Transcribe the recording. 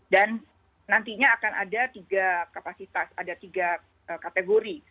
dan nantinya akan ada tiga kapasitas ada tiga kategori